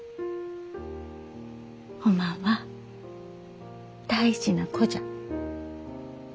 おまんは大事な子じゃ。